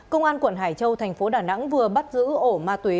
công an quận hải châu thành phố đà nẵng vừa bắt giữ ổ ma túy